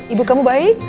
ibu kamu baik